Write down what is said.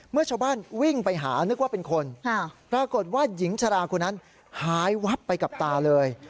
เมื่อชาวบ้านวิ่งไปหานึกว่าเป็นคนปรากฏว่าหญิงชราคนนั้นหายวับไปกับตาเลย